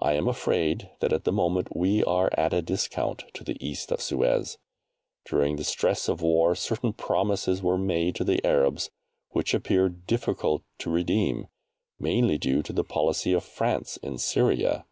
I am afraid that at the moment we are at a discount to the East of Suez. During the stress of war certain promises were made to the Arabs which appear difficult to redeem, mainly due to the policy of France in Syria.